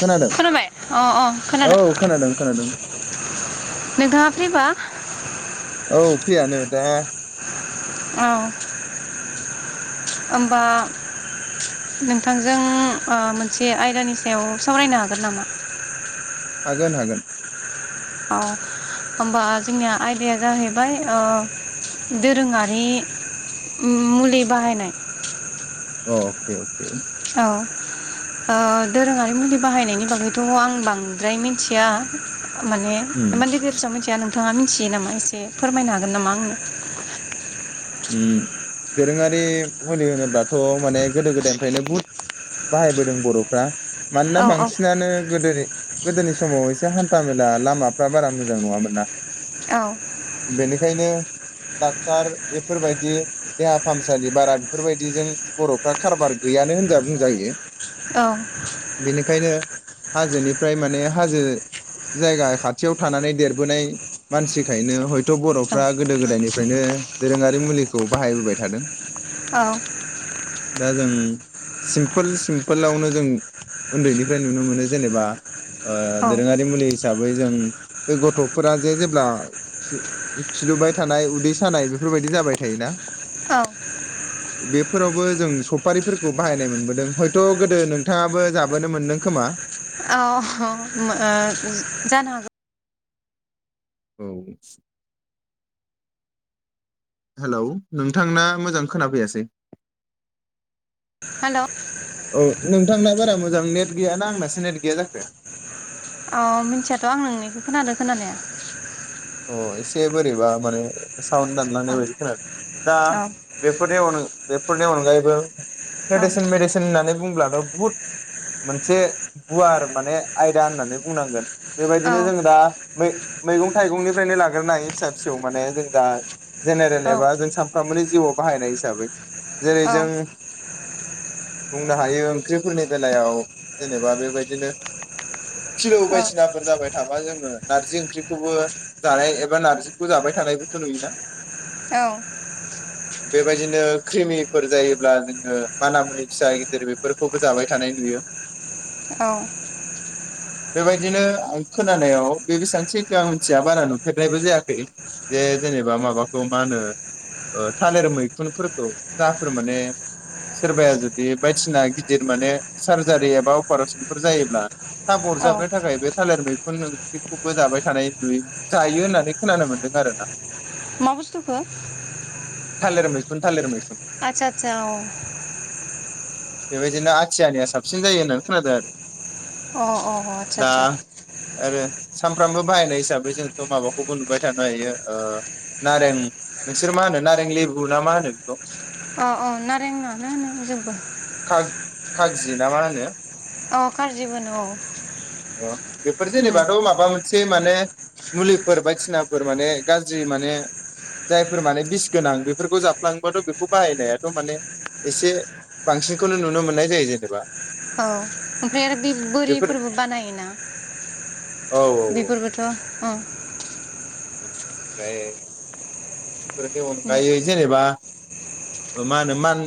खोनादों खोनाबाय अ अ औ खोनादों खोनादों खोनादों नोंथाङा फ्रिबा औ फैयानो दा औ ओमबा नोंथांजों ओ मोनसे आय दानि सायाव सावरायनो हागोन नामा हागोन हागोन औ होमबा जोंनिया आयदाया जाहैबाय ओ दोरोङारि मुलि बाहायनाय अ अके अके औ ओ दोरोङारि मुलि बाहायनायनि बागैथ' आं बांद्राय मिनथिया माने उम एमान गेदेर फिसा मोनथिया नों नोंथाङा मिथियो नामा एसे फोरमायनो हागोन नामा आंनो ओम दोरोङारि मुलि होनोब्ला थ' माने गोदो गोदायनिफ्रायनो बुहुत बाहायबोदों बर'फ्रा मानोना औ औ बांसिनानो गोदोनि गोदोनि सम समाव एसे हान्था मेला लामाफ्रा बारा मोजां नङामोन ना औ बेनिखायनो डाक्टार बेफोरबायदि देहा फाहामसालि बारा बेफोरबायदिजों बर'फ्रा कारबार गैयानो होन बुंजायो बेनिखायनो हाजोनिफ्राय माने हाजो जायगा खाथियाव थानानै देरबोनाय मानसिखायनो हयथ' औ बर'फ्रा गोदो गोदायनिफ्रायनो दोरोङारि मुलिखौ बाहायबोबाय थादों दा जों सिमपोल सिम्पोलावनो जों उन्दैनिफ्राय नुनो मोनो जेनेबा ओ औ दोरोङारि मुलि हिसाबै जों बे गथ'फोरा जे जेब्ला खि खिलुबाय थानाय उदै सानाय बेफोरबायदि जाबाय थायोना औ बेफोरावबो जों सपारि फोर खौ बाहायनाय मोनबोदों हयथ' गोदो नोंथाङाबो जाबोनो मोनदों खोमा। औ हो ओ जानो हागौ औ हेलौ नोंथांना मोजां खोनाफैयासै हेलौ औ नोंथांना बारा मोजां नेट गैयाना आंनासो नेट गैया जाखो औ मिथियाथ' आं नोंनिखौ खोनादों खोनानाया [inaudible] अ एसे बोरैबा माने साउन औ दानलांनाय बायदि खोनादों दा औ बेफोरनि अन बेफोरनि अनगायैबो ट्रेडिसेन मेडिसिन होननानै बुंब्लाथ' बुहुद मोनसे गुवार माने आयदा होननानै बुंनांगोन औ बेबायदिनो जों दा मै मैगं फुंनिफ्रायनो लाग्रोनो हायो फिसा फिसौ माने जों दा जेनेरेल एबा जों सानफ्रामबोनि जिउआव बाहायनाय जा हिसाबै जेरै औ जों बुंनो हायो ओंख्रिफोरनि बेलायाव जेनेबा बेबायदिनो फिलौ बायदिसिनाफोर जाबाय थाबा जोङो नारजि ओंख्रिखौबो जानाय एबा नारजिखौ जाबाय थानायबोथ' नुयोना औ बेबायदिनो क्रिमिक फोर जायोब्ला जोङो मानामुनि फिसा गिदिर बेफोरखौबो जाबाय थानाय नुयो औ बेबायदिनो आं खोनानायाव बे बेसेबां सैथो आं मिनथिया बारा नुफेरनायबो जायाखै जे जेनेबा माबाखौ मा होनो ओ थालिर मैखुनफोरखौ जाफोर माने सोरबाया जुदि बायदिना गिदिर माने सार्जारि एबा अपारेशनफोर जायोब्ला थाब औ अरजाबनो थाखाय बे थालिर मै फोरनो बिखौबो जाबाय थानाय नुयो जायो होननानै खोनानो मोन्दों आरो ना मा बुस्थुखौ थालिर थालिर आथसा आथसा औ बेबायदिनो आथियानिया साबसिन जायो होननानै खोनादों आरो अ अ अ आदसा आदसा सामफ्रामबो बाहायनायसै हिसाबै जोंथ माबाखौबो नुबाय थानो हायो ओ नारें नोंसोर मा होनो नारें लेबु ना मा होनो बेखौ अ अ नारें आनो होनो जोंबो खाग खागजि ना मा होनो औ कारजिबो होनो औ से माने मुलिफोर बायदिसिनाफोर माने गाज्रि माने जायफोर माने बिस गोनां बेफोरखौ जाफ्लांबाथ बेखौ बाहायनायाथ माने एसे बांसिनखौनो नुनो मोननाय जायो जेनेबा औ ओमफ्राय आरो बे बेफोर बोरिफोरबो बानायोना औ औ बेफोरबोथ ओं [inaudible] ओमफ्राय फोरनि अनगायै जेनेबा ओ मा होनो मान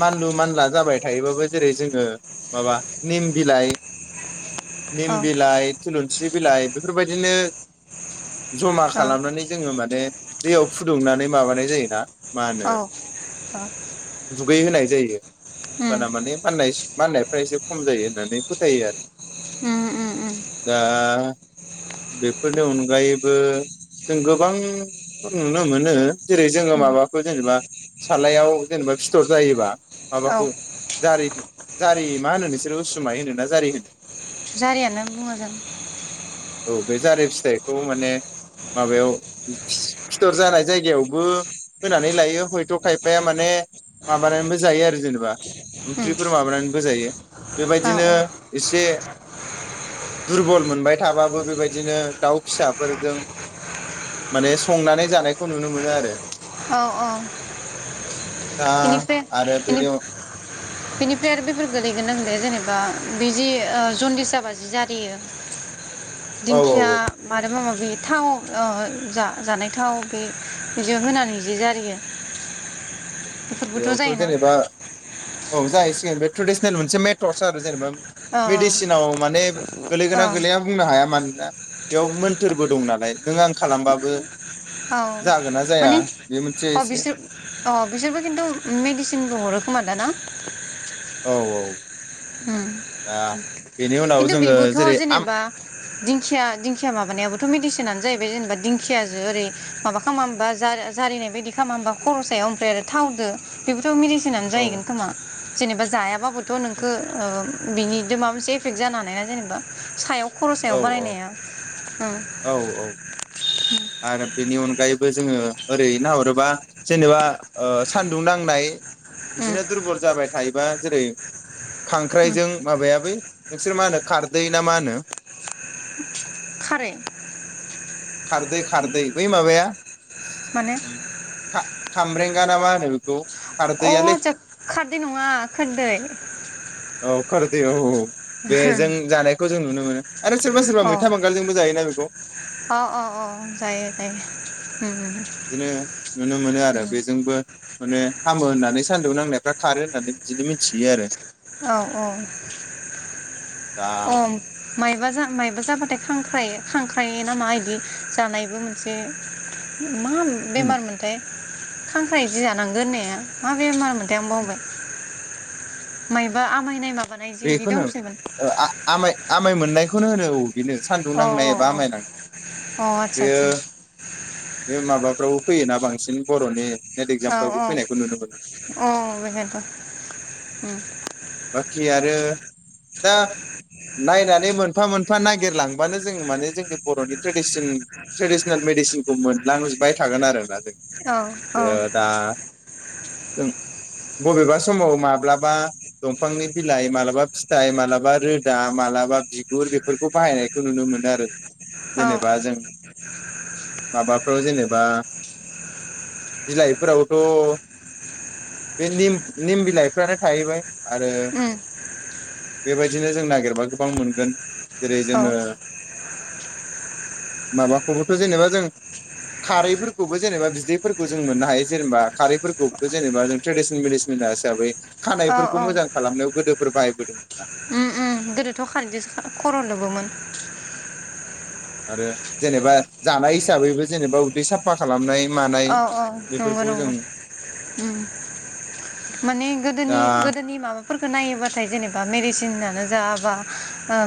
मानलु मानला जाबाय थायोबाबो जेरै- जोंङो माबा निम बिलाइ निम बिलइ थुलुन सि बिलाइ बेफोरबायदिनो जमा औ खालामनानै जोङो माने दैयाव फुदुंनानै माबानाय जायोना। माहोनो दुगै होनाय जायो माना माने माननाय माननायफ्रा एसे खम जायो होननानै फोथायो आरो औ औ दा बेफोरनि अनगायैबो जों गोबां नुनो मोनो जेरै- जोङो माबाखो जेनेबा सालायाव जेनेबा फिथर जायोबा औ माबाखौ जारि जारि मा होनो नोंसोरो उसुमाय होनो ना जारि होनो? जारियानो बुंङो जों। औ बे जारि फिथाइखौ माने माबायाव [inaudible] फिथर जानाय जायगायावबो होनानै लायो हयथ' खायफाया माने माबानानैबो जायो आरो जेनेबा ओंख्रिफोर माबानानैबो जायो औ बेबायदिनो एसे दुरबल मोनबाय थाबाबो बेबायदिनो दाउ फिसाफोरदों माने संनानै जानायखौ नुनो मोनो आरो औ दा बेनिफ्राय आरो बेनि अ बेनिफ्राय आरो बेफोर गोलैगोनना गोलैआ जेनेबा बे जि ओ जनदिस जाबा जि जारियो औ औ दिंखिया औ मादोबा माबा बे थाव ओ जा-जानाय थाव बे बेजो होनानै जे जारियो बेफोरबोथ' बेयावथ' जायोना जेनेबा औ जाहैसिगोन बे ट्रेडिसनेल मोनसे मेथडस आरो जेनेबा औ मेडिसिनाव माने औ गोलैगोना गोलैना बुंनो हाया माने दा बेयाव मोन्थोरबो दं नालाय नों आं खालामबाबो औ जागोन ना जाया माने बे मोनसे अ एसे बिसो अ बिसोरबो किनथु मेडिसिनबो हरो खोमा दा ना औ औ उम दा बेनि उनाव खिन्थु जोङो बेबोथ' जेरै आम जेनेबा दिंखिया दिंखिया माबानायाबोथ' मिदिसि नानो जाहैबाय जेनेबा दिंखियाजो ओरै माबा खालामा ओमबा जा-जारिनाय बायदि खालामा ओमबा खल सायाव ओफ्राय आरो थाव दो बेबो थ' मेडिसिनानो औ जाहैगोन खोमा। जेनेबा जायाबाबोथ' [unintelligible] बिनि दिमाबोसो एफेक्ट जानो हानायना जेनेबा सायाव खर' औ सायाव बारायनाया ओ औ औ आरो बेनि अनगायैबो जोङो ओरै नाहरोबा जेनेबा ओ सान दुं नांनाय ओम बिदिनो दुरबल जाबाय थायोबा जेरै - ओम खांख्राइजों माबाया बै नोंसोर मा होनो खारदै ना मा होनो? खारै। खारदै खारदै बै माब माने खा खामब्रेंगा ना मा होनो बेखौ अ खारदैआलै आदसा खारदै नङा खोरदै औ खोर दे औ बे जों जानायखौ जों नुनो मोनो आरो सोरबा सोरबा अ मैथा बांगालजोंबो जायोना बेखौ? अ अ अ जायो जायो ओम बिदिनो नुनो मोनो आरो ओम बेजोंबो माने हामो होन्नानै सान्दुं नांनायफ्रा खारो होन्नानै बिदिनो मिथियो आरो औ औ दा औ माइबा जा माइबा जाबाथाय खांख्राइ खांख्राइना मा इदि जानायबो मोनसे मा बेमार मोनथाय? खांख्राय जि जानांगोन होन्नाया मा बेमार मोन? दे मबे? माइबा आमायनाय मा बेखौनो ओ आ आमाय आमाय मोननायखौनो होनो औ। बेनो सान्दुं अ नांनाय एबा अ आमाय नां अ आदसा बेयो आदसा बे माबाफ्राव फैयोना बांसिन बर'नि नेट एगजामफ्रावबो औ फैनायखौ नुनो मोनो औ अ बेखथ' उम बाखि आरो दा नायनानै मोनफा मोनफा नागिरलांबानो जों माने जोंनि बर'नि टे बेसनि ट्रेडिनेल मेडिसिनखौमोन लांजोबबाय थागोन आरोना जों औ औ ओं बबेबा समाव माब्लाबा दंफांनि बिलाइ मालाबा फिथाइ मालाबा रोदा मालाबा बिगुर बेफोरखौ बाहायनायखौ नुनो मोनो आरो औ जेनेबा जों माबाफोराव जेनेबा बिलाइफोरावथ' बे निम निम बिलाइफ्रानो थाहैबाय आरो उम बेबायदिनो जों नागिरबा गोबां मोनगोन जेरै औ जोङो माबाखौबोथ' जेनेबा जों खारैफोरखौबो जेनेबा बिदैफोरखौ जों मोननो हायो जेनेबा खारैफोरखौबोथ' जेनेबा जों ट्रेडिसनेल मेडिसिन मोना हिसाबै औ औ खानायफोरखौ मोजां खालामनायाव गोदोफोर बाहायबोदोंमोन उम उम गोदोथ' खारैजोंसो खर' लोबोमोन [inaudible] आरो जेनेबा जानाय हिसाबैबो जेनेबा उदै साफा खालामनाय मानाय औ औ नंगौ बेफोरखौ जों नंगौ उम माने दा गोदोनि गोदोनि माबा फोरखो नायोबाथाय जेनेबा मेडिसिनानो जा बा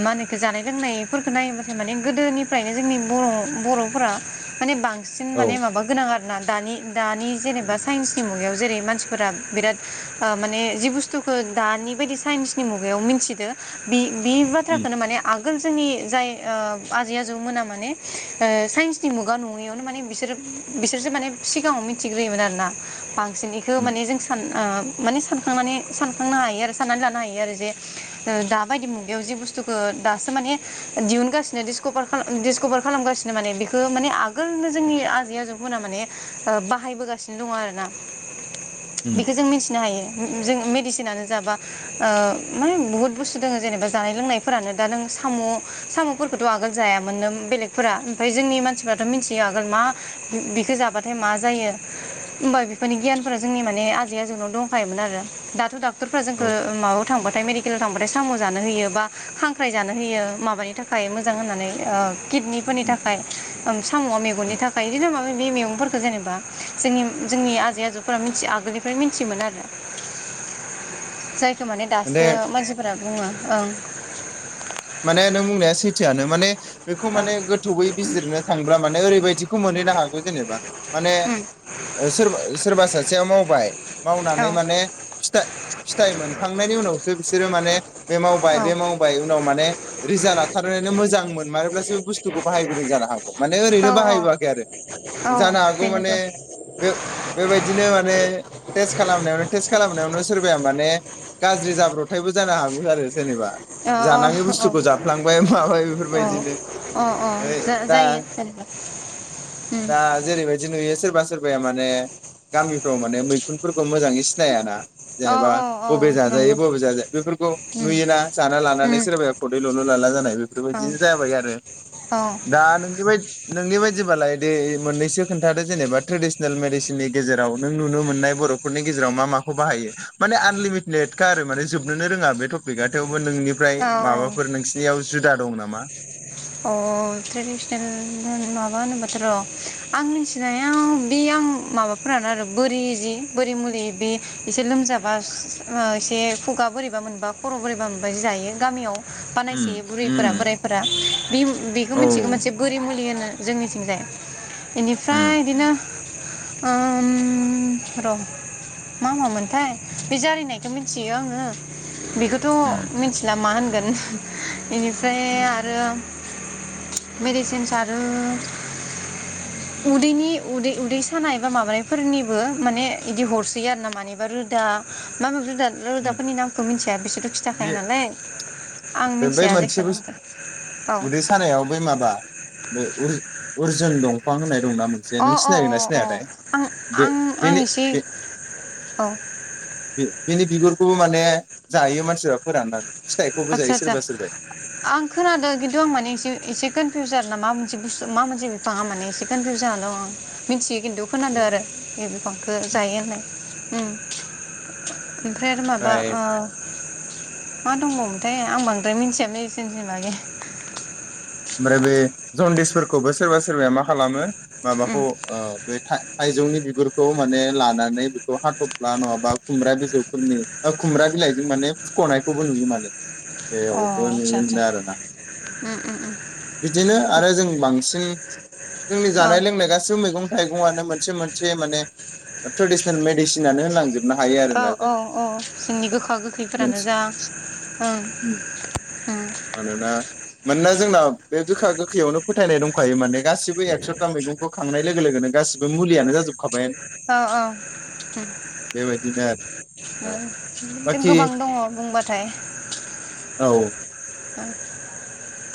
मा होनोखो जानाय लोंनायफोरखो नायोबाथाय माने गोदोनिफ्रायनो जोंनि बर' बर'फोरा माने बां सिन औ माने माबा गोनां आरो ना दानि दानि जेनेबा साइन्सनि मुगायाव जेरै मानसिफोरा बिराद ओ माने जि बुस्थुखौ दानि बायदि साइन्सनि मुगायाव मिथिदो बि बि उम बाथ्राखोनो माने आ गोल जोंनि जाय ओ आजै आजौमोना माने ओ साइन्सनि मुगा नङैआवनो माने बिसोरो बिसो रसो माने सिगाङाव मिथिग्रोमोन आरोना बां सिननिखो उम माने जों सान ओ माने सानखांनानै सानखांनो हायो आरो साननानै लानो हायो आरो जे दाबायदि मुगायाव जि बुस्थुखौ दासो माने दिहुनगासिनो डिसकभार खालाम दिसकभार खालामगासिनो माने बेखो माने आगोलनो जोंनि आजै आजौ मोना माने ओ बाहायबोगासिनो दङ आरो ना उम बेखो जों मिथिनो हायो। उम उम जों मेडिसिनानो जा बा ओ मा बुहुत बुस्थु दङ जेनेबा जानाय लोंनायफोरानो दा नों साम' साम'फोरखौथ' आगोल जायामोननो बेलेगफोरा बेखो जाबाथाय मा जायो होमबा बेफोरनि गियानफोरा जोंनि माने आजै आजौनाव दंखायोमोन आरो दाथ' दाख क्टरफोरा जोंखो औ माबाव थांबथाय मेदि केलाव थांबाथाय साम' जानो होयो बा खांख्राइ जानो होयो माबानि थाखाय मोजां होननानै ओ किडनिफोरनि उम थाखाय ओं साम'आ मेगननि उम था जायनो जों मायबा मायबि मैगंफोरखो जेनेबा जोंनि जोंनि आजै आजौफोरा आगोलनिफ्रायथियोन आरो माने दासो मानसिफोरा बुङो ओं माने नों बुंनाया सै थोआनो माने बेखौ औ माने गोथौैवै बिजिरनो थांबा माने ओरैबायदिखौ मोनैनो हागौ जेनेबा माने उम सोरबा सासेया मावबाय औ मावनानै माने फिथाय फिथाय मोनखांनयनि उनावसो बिसोरो माने बे मावबाय बे मावबाय उनाव माने रिजाल्ट लाथारनयानो मोजां मोनमारोब्लासो बुस्थुखौ बाहायबोदों जानो हागौ माने औ ओरैनो औ बाहायबोआखै आरो औ जानो हागौ माने बेनोथ' बे बेबायदिनो माने टेस्ट खालामनायावनो टेस्ट खालामनायावनो सोरबाया माने गाज्रि जाब्र थायबो जानो हागौ आरो जेनेबा औ औ जानाङि औ बुस्थुखौ जाफ्लांबाय माबाय औ बेफोरबायदिनो अ अ ओइ दा जायो जेनेबा दा जेरैबायदि नुयो सोर रबा सोरबाया माने गामिफ्राव माने मैखुनफोरखौ मोजाङै सिनाया ना। अ जेनेबा अ अ बबे जाजायो नंगौ बबे जाजाया बेफोरखौ उम नुयोना जाना लाना लानानै उम सोरबाया खदै ल'ल लाला जानाय औ बेफोरबायदिनो जाबाय आरो औ दा नोंनि बायदि नोंनि बायदिबालाय दे मोननैसो खोनथादो जेनबा ट्रेन्सलेसन मेडिसिन नि गेजेराव नों नुनो मोननाय बर'फोरनि गेजेराव मा माखौ बाहायो मानि आन लामिट लेट खा आरो माने जोबनो रोङा बे थफिखा थेवबो नोंनि ओमफ्राय औ माबाफोर नोंसिनियाव जुदा दं ना मा? अ ट्रेडिसनेल माबा होनोब्लााथ' र' आं मिथिनायाव बे आं माबाफोरानो आरो बोरि जि बोरि मुलि बे एसे लोमजाबा एसे खुगा बोरैबा मोनबा खर' बोरैबा मोनबा जि जायो गामियाव उम बानायसोयो बुरैफोरा उम बोरायफोरा बे-बेखौ औ मिथिगौ मोनसे बोरि मुलि होनो जोंनिथिंजाय। उम बेनिफ्राय इदिनो ओम र' मा मामोनथाय बे जारिनायखौ मिथियो आङो बेखौथ' उम मिथिला मा होन? [unintelligible] बेनिफ्राय आरो मेडिसिनस आरो उदैनि उदै-उदै सानाय बा माबानायफोरनिबो माने बिदि हरसै आरो ना मानिबा रोदा बा रोदा उम रोदाफोरनि नामखौ मिन्थिया बिसोर जाखाया दे नालाय [inaudible] आं बे बै मिथिया मोनसे जायखिया बुस नामखौ औ। उदै सानायाव बे माबा बे अर्जु-अर्जुन दंफां होननाय दंना मोनसे औ नों अ सिनायगोन ना अ सिनायथाय अ आं बे आं आं बेनि एसे बे औ बे बेनि बिगुर खौबो माने जायो मानसिफ्रा फोराननानै फिथाइ आदसा आतसा आं खोनादो खिन्थु आं माने एसे एस से कोनफिउ आरो ना मासे बुस मा मोनसे बिफाङा माने एसे कोनफिउ जाना दं आं मिथियो खिन्थु खोनादों आरो ओमफ्राय बे बिफांखौ जायो होननाय। औ ओमफ्राय आरो बा ओ मा दंबावोमोनथाय आं बांद्राय मिथिया मेडिसिन बागै। ओमफ्राय बे जनदिसफोरखौबो सोरबा सोरबाया मा खालामो उम माबाखौ ओ बे था थाइजौनि बिगुरखौ माने लानानै बेखौ हाथ'फ्ला नङाबा खुमब्रा बिजौफोरनि ओ खुमब्रा बिलाइजों माने फुख'नायखौबो नुयो माने। अ बेयावबो नुनो आटसा आतसा मोनो आरोना उम उम उम बिदिनो आरो जों बांसिन जोंनि जानाय लोंनाय गासिबो मैगं थाइगं गङानो मोनसे मोनसे माने ट्रेडिशनेल मेडिसिनानो होनांजोब औ औ औ जोंनि गोखा गोखैफोरानो मोनसे जा ओं‌ उम। मानोना मानोना जोंना बे गोखा गोखैयावनो फोथायनाय दंखायो माने गासिबो एकस'था मैगंखौ खांनाय लोगो लोगोनो गासिबो मुलियानो जाजोबखाबायानो औ औ बेबायदिनो आरो जों बाखि गोबां दङ बुंबा फ्राय औ औ